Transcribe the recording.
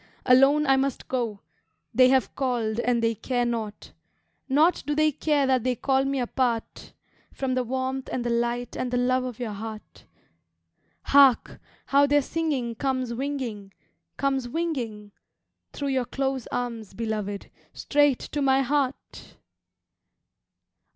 Alone I must go; They have called and they care not Naught do they care that they call me apart From the warmth and the light and the love of your heart. Hark! How their singing Comes winging, comes winging, Through your close arms, beloved, Straight to my heart!"